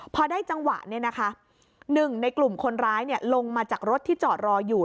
พอได้จังหวะหนึ่งในกลุ่มคนร้ายลงมาจากรถที่จอดรออยู่